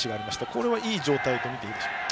これはいい状態とみていいでしょうか？